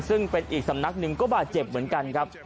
ซึ่งเป็นอีกสำนักหนึ่งก็บาดเจ็บเหมือนกันครับ